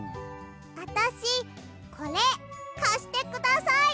あたしこれかしてください。